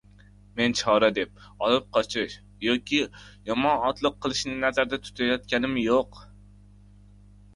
Men chora deb, olib qochish yoki yomon otliq qilishni nazarda tutayotganim yo‘q